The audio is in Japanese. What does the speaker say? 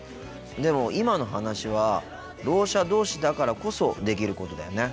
でも今の話はろう者同士だからこそできることだよね。